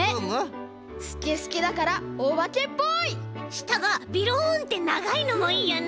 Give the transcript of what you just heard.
したがベロンってながいのもいいよね。